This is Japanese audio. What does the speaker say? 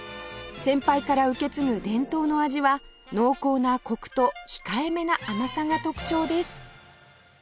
先輩から受け継ぐ伝統の味は濃厚なコクと控えめな甘さが特徴です